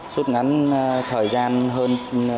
rút ngắn thời gian hơn